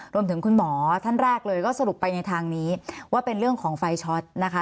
คุณหมอท่านแรกเลยก็สรุปไปในทางนี้ว่าเป็นเรื่องของไฟช็อตนะคะ